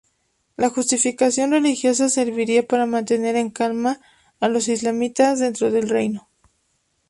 La justificación religiosa serviría para mantener en calma a los islamistas dentro del reino.